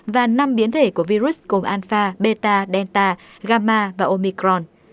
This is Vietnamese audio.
và năm biến thể của virus gồm alpha beta delta gama và omicron